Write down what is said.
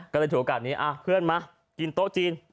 ก็เลยถือโอกาสนี้เพื่อนมากินโต๊ะจีน